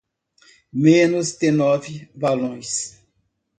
Menos de nove balões